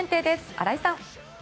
荒井さん。